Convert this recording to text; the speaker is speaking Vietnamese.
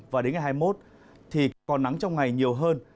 và đến ngày hai mươi một thì còn nắng trong ngày nhiều hơn